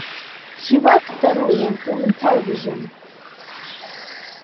She worked steadily in film and television.